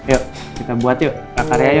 yuk kita buat yuk pra karya yuk